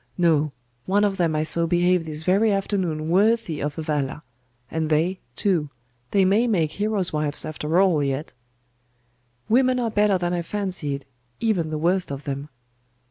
'No.... One of them I saw behave this very afternoon worthy of a Vala. And they, too they may make heroes' wives after all, yet .... Women are better than I fancied, even the worst of them.